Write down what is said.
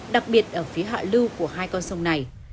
đặc biệt ở phía hạ lưu của hai con sông này